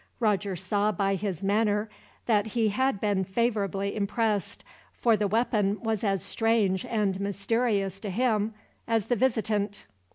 Roger saw by his manner that he had been favorably impressed, for the weapon was as strange and mysterious, to him, as the visitant.